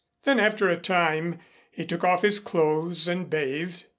Then, after a time, he took off his clothes and bathed.